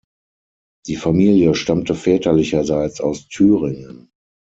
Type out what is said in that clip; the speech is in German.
Die Familie stammte väterlicherseits aus Thüringen.